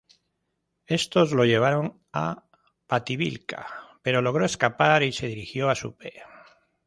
Estos lo llevaron a Pativilca, pero logró escapar y se dirigió a Supe.